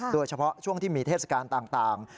โดยเฉพาะช่วงที่มีเทศกาลต่าง